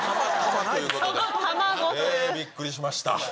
びっくりしました。